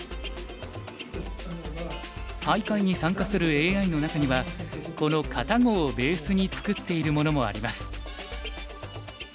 大会に参加するＡＩの中にはこのＫａｔａＧｏをベースに作っているものもあります。